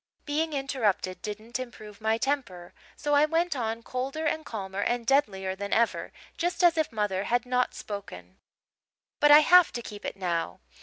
"Being interrupted didn't improve my temper, so I went on, colder and calmer and deadlier than ever, just as if mother had not spoken. "' but I have to keep it now.